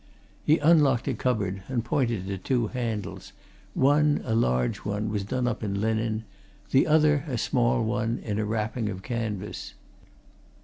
He unlocked a cupboard and pointed to two bundles one, a large one, was done up in linen; the other, a small one, in a wrapping of canvas.